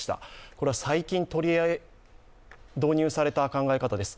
これは最近、導入された考え方です